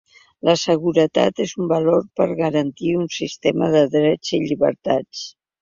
La seguretat és un valor per garantir un sistema de drets i llibertats.